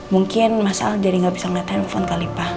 mungkin masalah jadi gak bisa ngeliat handphone kali pak